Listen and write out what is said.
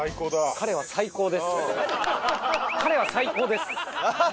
彼は最高です。